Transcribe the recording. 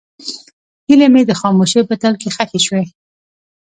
هیلې مې د خاموشۍ په تل کې ښخې شوې.